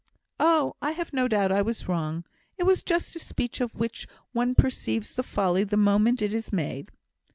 "Oh! I have no doubt I was wrong. It was just a speech of which one perceives the folly the moment it is made."